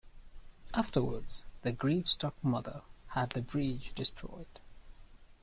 Afterwards, the grief-struck mother had the bridge destroyed.